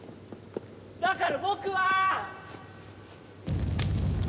だから僕は！？